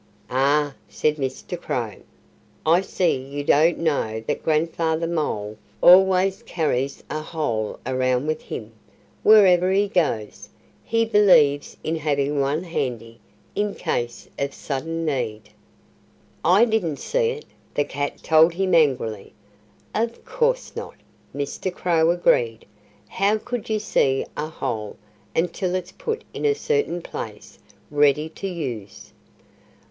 "Ah!" said Mr. Crow. "I see you don't know that Grandfather Mole always carries a hole around with him, wherever he goes. He believes in having one handy, in case of sudden need." "I didn't see it," the cat told him angrily. "Of course not!" Mr. Crow agreed. "How could you see a hole until it's put in a certain place, ready to use?"